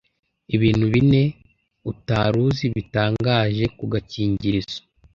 ibintu bine utaruzi bitangaje ku gakingirizo